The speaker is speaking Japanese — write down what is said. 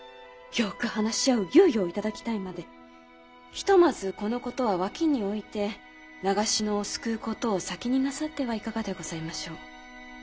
ひとまずこのことは脇に置いて長篠を救うことを先になさってはいかがでございましょう。